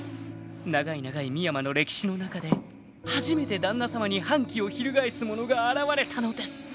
［長い長い深山の歴史の中で初めて旦那さまに反旗を翻す者が現れたのです］